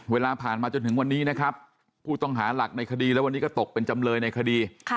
เวลาผ่านมาจนถึงวันนี้นะครับผู้ต้องหาหลักในคดีและวันนี้ก็ตกเป็นจำเลยในคดี